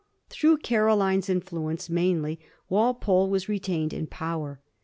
Through Caro line's influence mainly Walpole was retained in power.